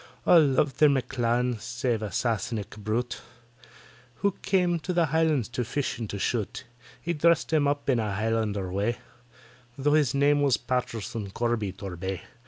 All loved their M'CLAN, save a Sassenach brute, Who came to the Highlands to fish and to shoot; He dressed himself up in a Highlander way, Tho' his name it was PATTISON CORBY TORBAY.